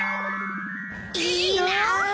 いいな。